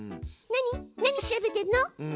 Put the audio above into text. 何調べてんの？